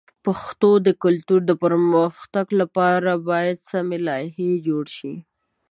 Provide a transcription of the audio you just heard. د پښتو د کلتور د پرمختګ لپاره باید سمی لایحې جوړ شي.